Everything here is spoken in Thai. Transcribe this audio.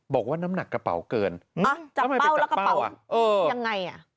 บอกว่าน้ำหนักกระเป๋าเกินเอาไงไปจับเป้ายังไง